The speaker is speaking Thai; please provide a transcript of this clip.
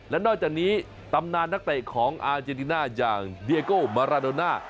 และนอกจากนี้ตำนานนักเตะของอาเจนติน่าอย่างเดียโกมาราโดน่า